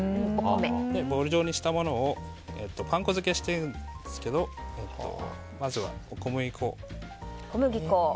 ボール状にしたものをパン粉付けしていくんですけどまずは、小麦粉。